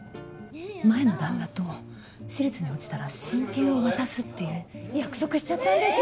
前の旦那と私立に落ちたら親権を渡すっていう約束しちゃったんです。